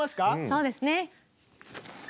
そうですね。